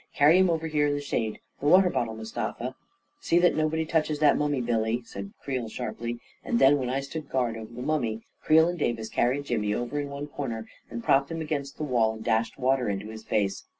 " Carry him over here in the shade. The water bot tle, Mustafa I "" See that nobody touches that mummy, Billy !" said Creel sharply; and then, while I stood guard over the mummy, Creel and Davis carried Jimmy over in one corner and propped him against the wall, and dashed water into his face.